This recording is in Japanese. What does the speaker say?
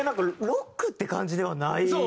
ロックって感じではないですし。